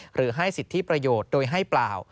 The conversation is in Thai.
หรือให้สิทธิประโยชน์โดยให้เปล่า